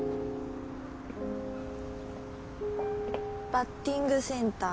バッティングセンター。